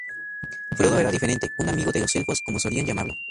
Frodo era diferente, un amigo de los elfos, como solían llamarlo.